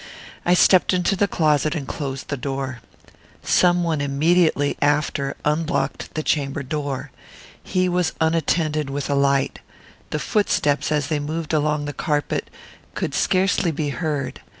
I stepped into the closet, and closed the door. Some one immediately after unlocked the chamber door. He was unattended with a light. The footsteps, as they moved along the carpet, could scarcely be heard.